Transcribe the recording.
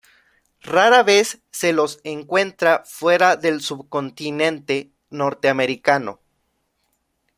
Rara vez se los encuentra fuera del subcontinente norteamericano.